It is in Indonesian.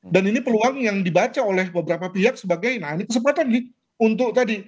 dan ini peluang yang dibaca oleh beberapa pihak sebagai kesempatan untuk tadi